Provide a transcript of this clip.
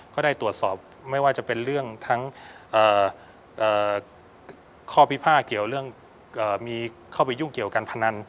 ก็ได้ตรวจสอบไม่ว่าจะเป็นเรื่องทั้งข้อพิพาทเกี่ยวเรื่องมีเข้าไปยุ่งเกี่ยวการพนัน